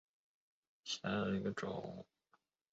叉毛锯蕨为禾叶蕨科锯蕨属下的一个种。